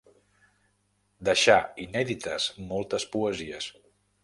Deixà inèdites moltes poesies.